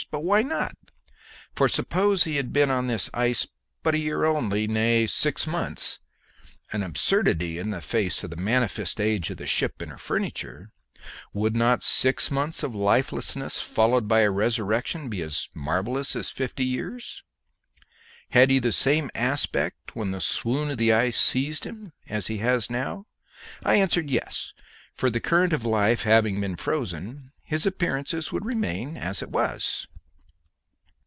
But why not? for suppose he had been on this ice but a year only, nay, six months an absurdity in the face of the manifest age of the ship and her furniture would not six months of lifelessness followed by a resurrection be as marvellous as fifty years? Had he the same aspect when the swoon of the ice seized him as he has now? I answered yes, for the current of life having been frozen, his appearance would remain as it was.